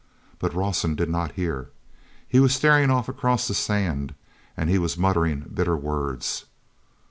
But Rawson did not hear. He was staring off across the sand, and he was muttering bitter words.